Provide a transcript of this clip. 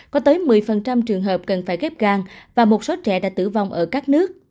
có tới một mươi trường hợp cần phải ghép gan và một số trẻ đã tử vong ở các nước